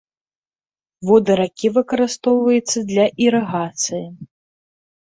Воды ракі выкарыстоўваецца для ірыгацыі.